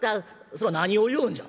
「そら何を言うんじゃ。